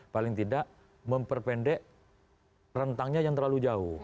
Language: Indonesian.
paling tidak memperpendek rentangnya yang terlalu jauh